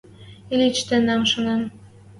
Ильич тӹнӓм шанен: